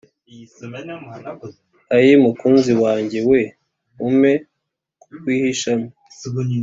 Ai Mukunzi wanjye we, Umpe kukwihishamo